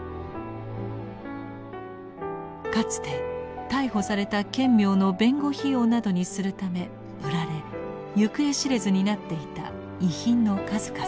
かつて逮捕された顕明の弁護費用などにするため売られ行方知れずになっていた遺品の数々。